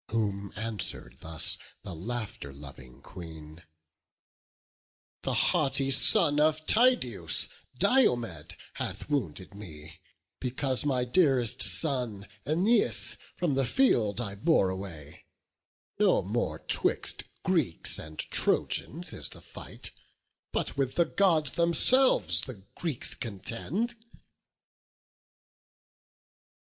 Whom answer'd thus the laughter loving Queen; "The haughty son of Tydeus, Diomed, Hath wounded me, because my dearest son, Æneas, from the field I bore away. No more 'twixt Greeks and Trojans is the fight, But with the Gods themselves the Greeks contend."